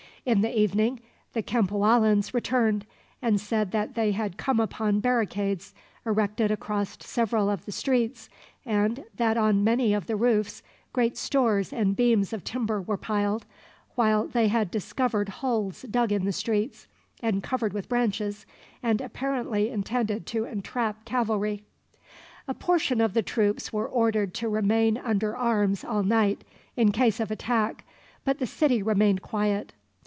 In the evening the Cempoallans returned, and said that they had come upon barricades erected across several of the streets, and that on many of the roofs great stones and beams of timber were piled; while they had discovered holes dug in the streets, and covered with branches, and apparently intended to entrap cavalry. A portion of the troops were ordered to remain under arms all night, in case of attack, but the city remained quiet.